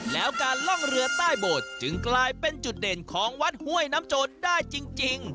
แล้วการล่องเรือใต้โบสถ์จึงกลายเป็นจุดเด่นของวัดห้วยน้ำโจรได้จริง